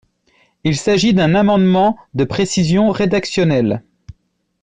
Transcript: Il s’agit d’un amendement de précision rédactionnelle.